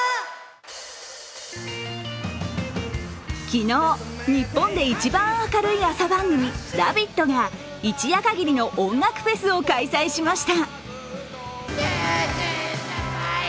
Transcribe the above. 昨日、日本でいちばん明るい朝番組「ラヴィット！」が一夜限りの音楽フェスを開催しました。